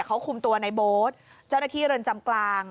เขาคุมตัวในโบ๊ทเจ้าหน้าที่เรือนจำกลาง